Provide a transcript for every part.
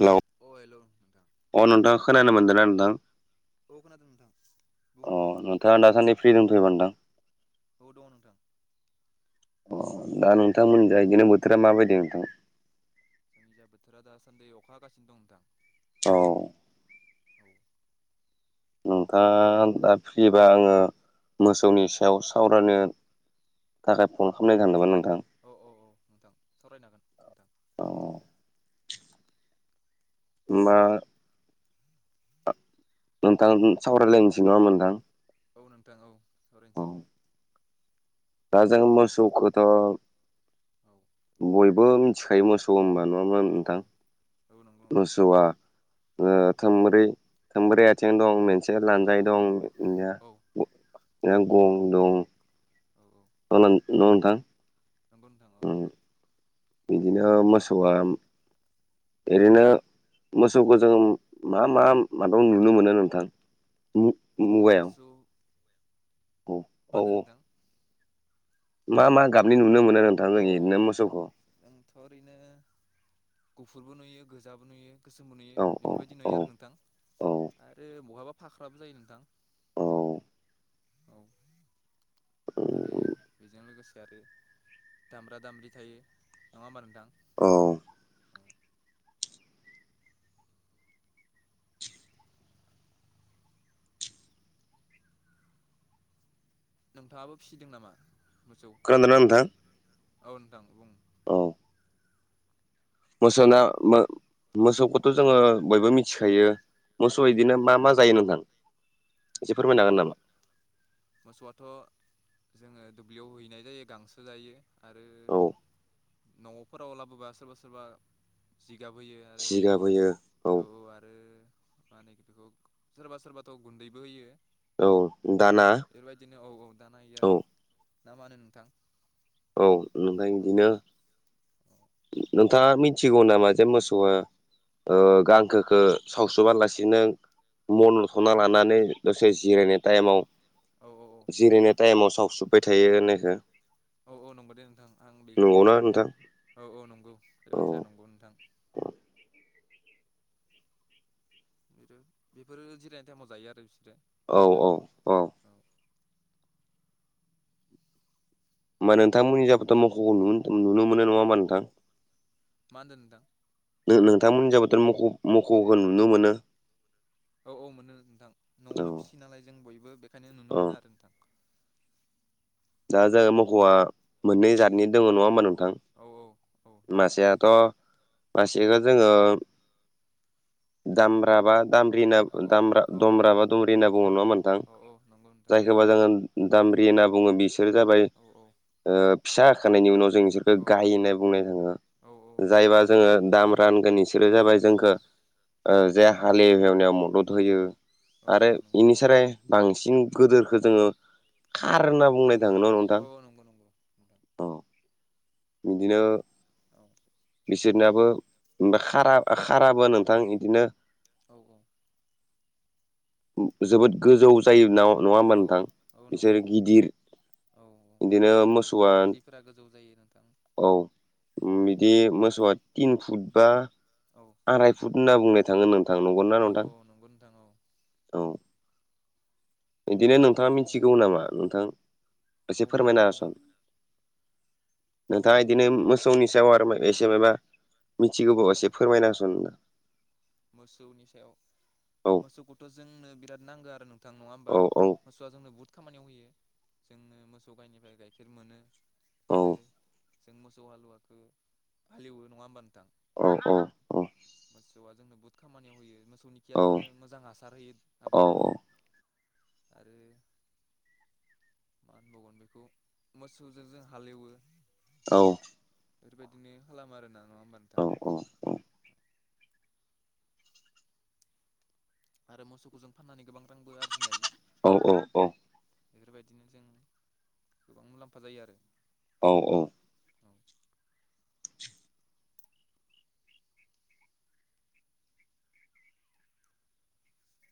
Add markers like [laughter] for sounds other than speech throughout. Hello अ hello नोंथां अ नोंथां खोनानो मोनदों ना नोंथां औ खोनादों नोंथां बुं नोंथां [unintelligible] औ दङ नोंथां अ दा नोंथां मोननि दा इदिनो बोथोरा माबायदि नोंथां जोंनिजा बोथोरा दासान्दै अखाहागासिनो दं नोंथां औ' औ नोंथाङा दा फ्रिबा आङो औ मोसौनि सायाव सावरायनो थाखाय फन खामनाय थांदोंमोन नोंथां औ औ औ नोंथां सावरायनो हागोन नोंथां औ होमबा आ नोंथां सावरायलायनोसै नङा होनबा नोंथां औ नोंथां औ सावरायनोसै औ दा जों मोसौखोथ' औ बयबो मिथिखायो मोसौ होनबा नङा ओमबा औ नोंथां औ नंगौ औ मोसौआ ओ औ थोंब्रै थोंब्रै आथिं दं मोनसे औ लान्जाइ दं बिनिया औ ग [unintelligible] गं दं। औ औ [unintelligible] नङा नोंथां नंगौ नोंथां औ उम बिदिनो मोसौआ एरेनो मोसौखौ जों मा मा माबायाव नुनो मोनो नोंथां जोङो मुगायाव मोसौ औ मा होनदों औ औ नोंथां मा मा गाबनि नुनो मोनो नोंथां जों अ एरेनो मोसौखौ जोंथ' ओरैनो गुफुरबो नुयो गोजाबो नुयो गोसोमबो नुयो औ औ बेफोरबायदि औ नुयो आरो नोंथां औ आरो बहाबा फाख्राबो जायो नोंथां। औ औ आरो बेजों लोगोसे आरो दामब्रा दामब्रि थायो नङा होमबा नोंथां? औ नोंथाङाबो फिसिदों नामा मोसौ? खोनादोंना नोंथां औ नोंथां बुं औ मोसौना मो मोसौखौथ' जोङो बयबो औ मिथिखायो औ औ मोसौया इदिनो मा मा जायो नोंथां? एसे अ फोरमायनो हागोन नामा [unintelligible] मोसौआथ' जोङो दुब्लियाव हैनाय जायो गांसो जायो। आरो औ न'फोराव लाबोबा सोरबा सोरबा जिगाब होयो आरो जिगाब होयो औ औ आरो मा होनो [unintelligible] सोरबा सोरबाथ' गुन्दैबो होयो। औ दाना बेफोरबायदिनो औ औ दाना होयो औ आरो ना मा होनो नोंथां? औ नोंथां औ इदिनो नोंथाङा मिथिगौ नामा जे मोसौआ ओ गांखोखौ सावसुबालासिनो मनथ'ना लानानै दसे जिरायनाय टाइमाव औ औ औ जिरायनाय टाइमाव सावसुब्बाय थायो होननायखो औ औ नंगौ दे नोंथां आं बेखौ नंगौना नोंथां औ औ नंगौ बे औ बाथ्राया नंगौ नोंथां। बेफोरो जिरायनाय टाइमाव जायो आरो बिसोरो दिहुननानै औ होमबा नोंथांमोननि मख'खौ लुनो नुनो मोनो नङा होमबा नोंथां? मा होनदों नोंथां? नों नोंथांमोननि जायगायावथ' मख' मख'खौ नुनो मोनो औ औ मोनो नोंथां औ न'आवनो फिसियो नालाय जों बयबो बेखायनो नुनो औ मोनो आरो नोंथां दा जोङो मख'आ मोननै औ जातनि दङ नङा होमबा नोंथां? औ औ नंगौ नोंथां मासेयाथ' औ मासेखौ जोङो दामब्राबा दामब्रिना औ दामब्रा औ दुमब्रा बा दुमब्रि होनना बुङो नङा होनबा नोंथां? औ औ नंगौ नोंथां जायखौबा जोङो दामब्रि होनना बुङो बिसोर जाबाय औ ओ फिसा होखांनायनि उनाव जों बिसोर खो औ गाय होननाय बुंनाय थांङो औ औ नंगौ जायबा नोंथां जोङो दामब्रा होनगोन इसोरो जाबाय औ जोंखो ओ औ जे औ हालेएवनायाव मदद होयो आरो नंगौ एनिस्राय बांसिन गोदोरखो जोङो खार होनना बुंनाय थाङो न' नोंथां औ नंगौ नंगौ नोंथां इदिनो औ इसोरनियाबो ओमफाय खारा खाराबो नोंथां इदिनो औ औ जोबोद गोजौ जायो नाव नङा होमबा औ नोंथां औ बिसोर नंगौ नोंथां गिदिर इदिनो मोसौआ फोरा गोजौ जायो नोंथां औ औ बिदि मोसौआ तिन फुट बा औ आराय फुट होनना बुंनाय थाङो नोंथां नंगोना औ नोंथां नंगौ नोंथां औ औ इदिनो नोंथाङाबो न' नोंथाङा मिथिगौ औ नामा नोंथां औ एसे मा फोरमायना बुंदों नोंथां होसन मा बुंदों नोंथाङा इदिनो मोसौनि सायाव आरो माय एसे मायबा मिथिगौबा औ एसे फोरमायना होसन नोंथां मोसौनि सायाव औ मोसौखौथ' जोंनो बिराद नांगौ आरो नों थां नङा होमबा औ औ मोसौआ जोंनो बुहुद खामानियाव होयो जोंनो मोसौ गाइनिफ्राय गाइखेर मोनो औ आरो जों मोसौ हालुवाखौ हालेवो नङा होमबा नों थां औ औ मोसौआ जोंनो बहुथ खामानियाव होयो मोसौनि खिया औ जोंनो मोजां हासार होयो औ आबादफोराव आरो मा होनबावगोन बेखौ मोसौजों हालेवो औ एफोरबायदिनो खालामो आरोना नङा होमबा नोंथां अ औ आरो मोसौखौ जों फाननानै गोबां रांबो आरजिनो हायो औ औ औ एफोरबायदिनो जों गोबां मुलाम्फा जायो आरो औ औ औ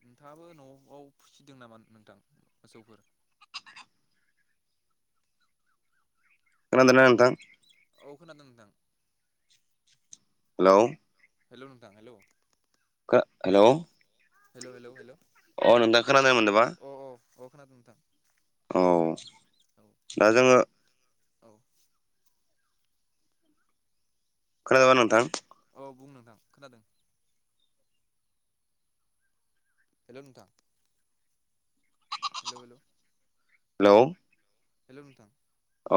नोंथाङाबो न'आव फिसिदों नामा नोंथां मोसौफोर? खोनादोंना नोंथां? औ खोनादों नोंथां हेलौ हेलौ नोंथां हेलौ खो हेलौ हेल' हेल' हेल' अ' नोंथां खोनानो मोनदोबा? अ' अ' अ' खोनादों नोंथां औ औ दा जोङो औ- खोनादोंना नोंथां औ बुं नोंथां खोनादों। हेल' नोंथां हेल' हेल' हेलौ। हेल' नोंथां। औ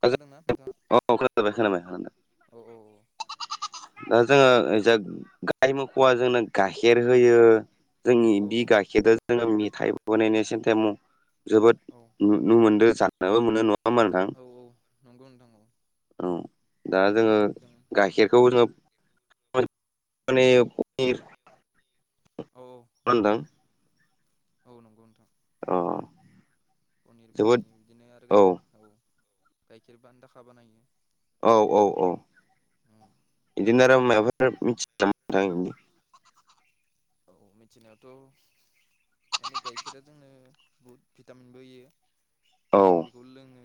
खोनादोंना नोंथाङा खोनाबाय-खोनाबाय औ औ खोनादों। दा जोङो गाय मोखौआ जोंनो गाइखेर होयो। जोंनि औ बि गाइखेरदो जोङो मेथाइ बानायनाय सेन्थेम जोबोद औ। नु नुनो मोनदो जानोबो मोनो नङा होमबा नोंथां। औ-औ नंगौ नोंथां औ। औ दा जोङो जों औ गाइखेरखौ जोङो [unintelligible] औ माने एर। औ-औ नंगौ नोंथां औ नंगौ नोंथां। अम। पनिर बानायो बिदिनो आरो गाइ औ गाइखेर बानदाखा बानायो। औ-औ-औ इदिनो आरो मायबाफोर मिथि [unintelligible] औ-औ मिथिनायाथ'। माने गाइखेरा जोंनो बहुत भिटामिनबो होयो। औ जों बिखौ लोङो।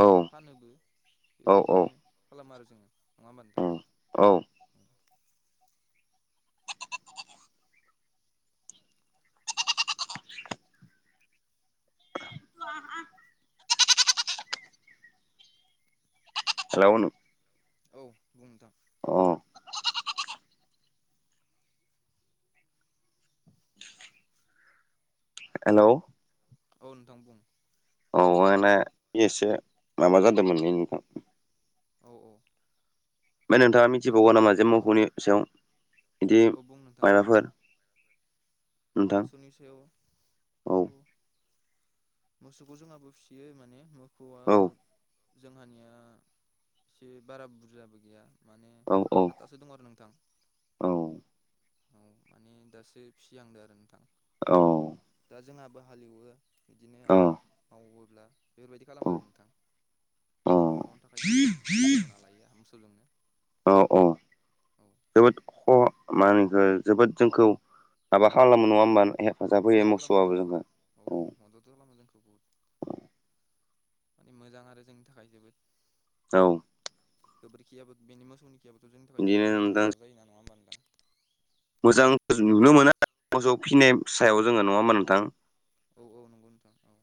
औ फानोबो बेबायदिनो औ खालामो आरो जोङो नङा होमबा नोंथां। औ औ। [unintelligible] [unintelligible] आ। सोलावहोनो। औ बुंनोंथां। अ। हेलौ। औ नोंथां बुं। औ [unintelligible] इसे माबा जादोमोनलै नोंथां। औ-औ। ओमफ्राय नोंथाङा मिथिबावा नामा जे औ मोखौनि सायाव बिदि औ बुं नोंथां मायबाफोर मोसौनि सायाव औ थ मोसौखौ जोंहाबो फिसियो माने मोखौआ औ जोंहानिया एसे बारा बुरजाबो गैया माने औ साथा थो दङो आरो नोंथां। औ। औ माने दासो फिसिहांदो आरो नोंथां। औ। दा जोंहाबो हालेवो बिदिनो औ आबाद मावोब्ला। बेफोरबायदि खालामो आरो नोंथां। औ आबाद मावनो थाखाय जोंहा हालेवना लायो मोसौ जोंनो। औ औ औ। [unintelligible] जोबोद जोंखौ। आबा खालाम औ-औ मदद खालामो नोंथां औ औ औ मदद खालामो जोंखौ बहुद। माने मोजां आरो जोंनि थाखाय जोबोद। औ। गोबोरखियाबो बेनि मोसौनि खियाबोथ' जोंनि थाखाय बिदिनो जोबोद मोजां नोंथां हासार जायोना नङा होमब्ला नोंथां। मोजां [unintelligible] नुनो मोना। थ' फिसिनाय सायाव जोङो नङाहोनबा नोंथां। औ-औ नंगौ नोंथां औ।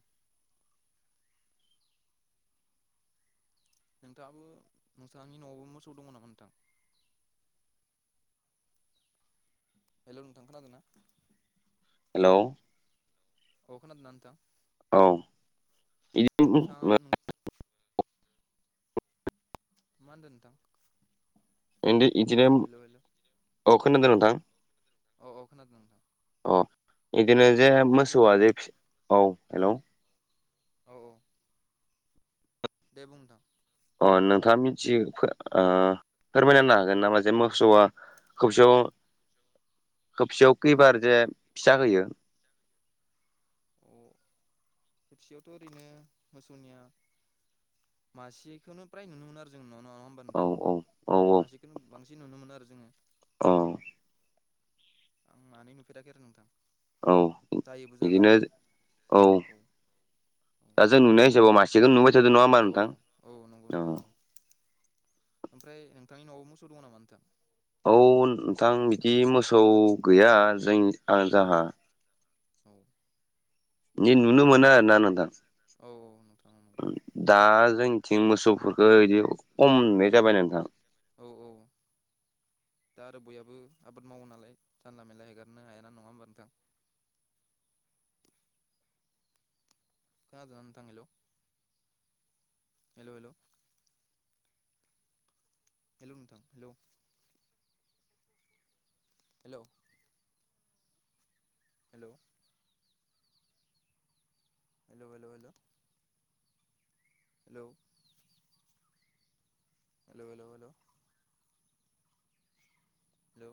नोंथाङाबो नोंथांनि न'आवबो मोसौ दङ नामा नोंथां? हेल' नोंथां खोनादों ना। हेल'। [unintelligible] खोनदोंना नोंथां औ बिदि नोंथांङा मा होनदों नोंथां? बिदिनो हेल' हेल' औ खोनादों नोंथां औ अ खोनादों नोंथां। अ बिदिनो जे मा होनदों मोसौआ नोंथां जे औ औ हेलौ। औ। दे बुं नोंथां। अ नोंथाङा मिथियो ओ फोरमायना हागोन नामा जे मोसौआ खौसेयाव औ खबसेयाव खैबार जे फिसा होयो। अ खबसेयावथ' ओरैनो मोसौनिया मासेखौनो फ्राय नुनो मोनो आरो जों नङा होमबा औ नोंथां औ मासेखौनो बांसिन नुनो मोन आरो जोङो। औ। आं मानै नुफेराखै आरो नोंथां। औ जायोबो जानो बिदिनो हागौ औ औ दा जों नुनाय हिसाबाव मासे [unintelligible] औ औ औ नंगौ नोंथां औ। ओमफ्राय नोंथांनि न'आव मोसौ दं नामा नोंथां? औ नोंथां बिदि मोसौ गैया जों आं औ जाहा औ औ। नुनो मोना ओरो ना नोंथां। औ औ नोंथां नंगौ। दा जोंनिथिं मोसौखौ खम नुनाय जाबाय नोंथां। औ औ। दा आरो बयहाबो आबाद मावो नालाय मेनलला हेगारनो हाया नङा होमबा नोंथां। खोनादों ना नोंथां। Hello hello hello. हेल' नोंथां hello. Hello. Hello. Hello hello hello. Hello. Hello hello hello hello